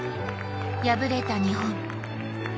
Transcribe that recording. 敗れた日本。